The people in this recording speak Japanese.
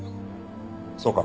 そうか。